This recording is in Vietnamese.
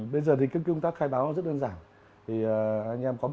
bây giờ thì công tác khai báo rất đơn giản